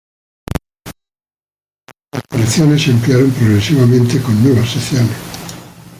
En los años siguientes, las colecciones se ampliaron progresivamente, con nuevas secciones.